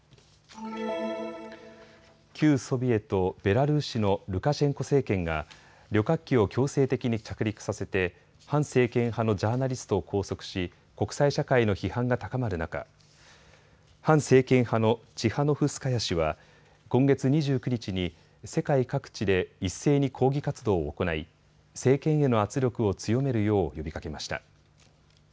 旧ソビエト・ベラルーシのルカシェンコ政権が旅客機を強制的に着陸させて反政権派のジャーナリストを拘束し国際社会の批判が高まる中、反政権派のチハノフスカヤ氏は今月２９日に世界各地で一斉に抗議活動を行い政権への圧力を強めるよう呼びかけました。